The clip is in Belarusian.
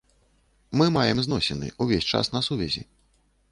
Мы маем зносіны, увесь час на сувязі.